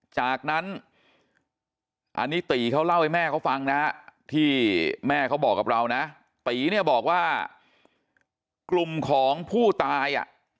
จากนั้นอันนี้ตีเขาเล่าให้แม่เขาฟังนะที่แม่เขาบอกกับเรานะตีเนี่ยบอกว่ากลุ่มของผู้ตายอ่ะ